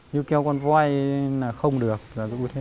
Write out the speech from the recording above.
như keo con quay là không được giả dụ như thế